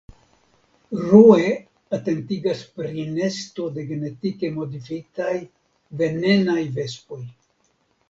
Rue atentigas pri nesto de genetike modifitaj venenaj vespoj.